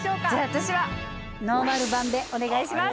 私はノーマル版でお願いします。